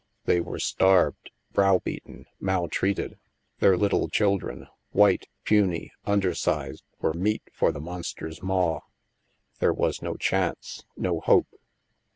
They were starved, browbeaten, maltreated. Their little children, white, puny, un dersized, were meat for the monster's maw. There was no chance, no hope.